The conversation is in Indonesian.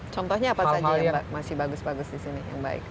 contohnya apa saja yang masih bagus bagus di sini